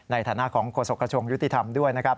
ในฐานะของโฆษกระทรวงยุติธรรมด้วยนะครับ